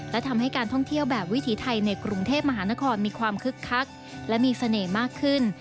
และทำให้การท่องเที่ยวแบบวิถีไทยในกรุงเทพมหานครมีความคึกคักและมีเสน่ห์มากขึ้น